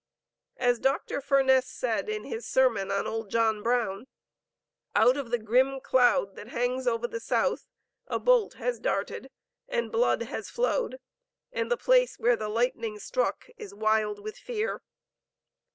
As Dr. Furness said in his sermon on old John Brown: "Out of the grim cloud that hangs over the South, a bolt has darted, and blood has flowed, and the place where the lightning struck, is wild with fear."